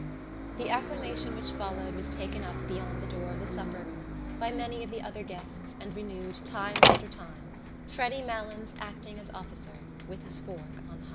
The acclamation which followed was taken up beyond the door of the supper room by many of the other guests and renewed time after time, Freddy Malins acting as officer with his fork on high.